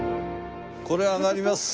これ上がります。